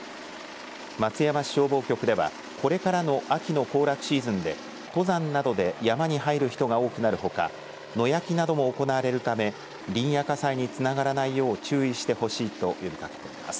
松山市消防局ではこれからの秋の行楽シーズンで登山などで山に入る人が多くなるほか野焼きなども行われるため林野火災につながらないよう注意してほしいと呼びかけています。